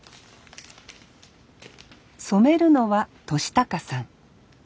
染めるのは敏孝さん。